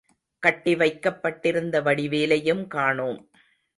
கட்டி வைக்கப் பட்டிருந்த வடிவேலையும் காணோம்.